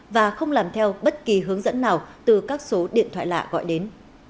và không làm theo bất kỳ hướng dẫn nào từ các số điện thoại lạ gọi đến